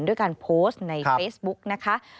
ด้วยการโพสต์ในเฟซบุ๊กนะคะ